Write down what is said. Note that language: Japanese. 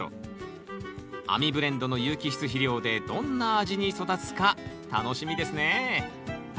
亜美ブレンドの有機質肥料でどんな味に育つか楽しみですね！